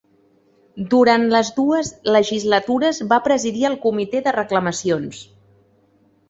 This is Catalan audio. Durant les dues legislatures, va presidir el Comitè de Reclamacions.